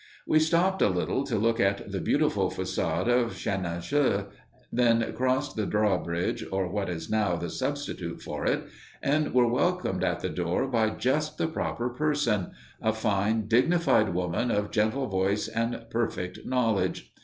We stopped a little to look at the beautiful façade of Chenonceaux, then crossed the draw bridge, or what is now the substitute for it, and were welcomed at the door by just the proper person a fine, dignified woman, of gentle voice and perfect knowledge.